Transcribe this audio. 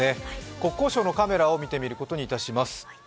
国交省のカメラを見てみることにいたします。